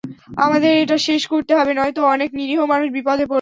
আমাদের এটা শেষ করতে হবে, নয়তো অনেক নিরীহ মানুষ বিপদে পড়বে।